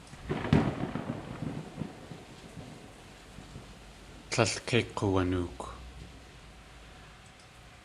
Tlél yéi k̲uwunook.